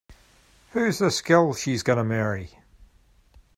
Who's this gal she's gonna marry?